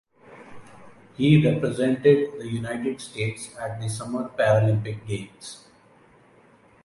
He represented the United States at the Summer Paralympic Games.